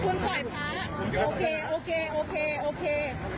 คุณปล่อยภาคณะโอเคโอเคโอเค